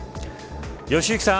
良幸さん。